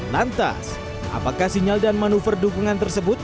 lantas apakah sinyal dan manuver dukungan tersebut